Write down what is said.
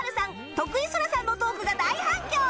徳井青空さんのトークが大反響！